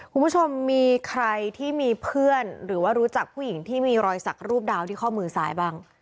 คุณผู้ชมมีใครที่มีเพื่อนหรือว่ารู้จักผู้หญิงที่มีรอยสักรูปดาวที่ข้อมือซ้ายบ้าง